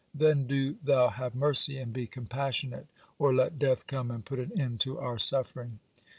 Then do Thou have mercy and be compassionate, or let death come and put an end to our suffering."